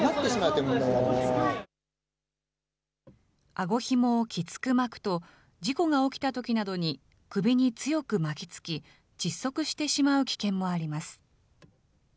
あごひもをきつく巻くと、事故が起きたときなどに首に強く巻き付き、窒息してしまう危険もあります。